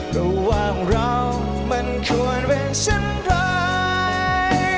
หรือต้องให้ฉันแค่แอบมีเธอนี่ใจ